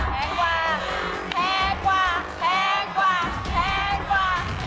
แพงกว่าแพงกว่าแพงกว่าแพงกว่า